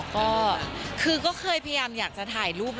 ก็คือก็เคยพยายามอยากจะถ่ายรูป